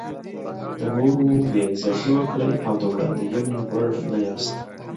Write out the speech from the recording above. د نورو بې عزتي وکړئ او د وړاندوینې وړ نه یاست.